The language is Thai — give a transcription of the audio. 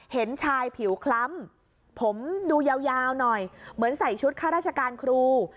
เห็นชายผิวคล้ำผมดูยาวหน่อยเหมือนใส่ชุดข้าราชการครู